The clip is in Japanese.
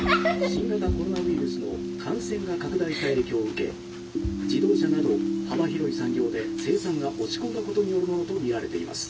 「新型コロナウイルスの感染が拡大した影響を受け自動車など幅広い産業で生産が落ち込んだことによるものと見られています。